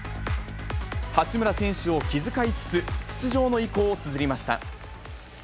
八村選手を気遣いつつ、出場の意向をつづりました。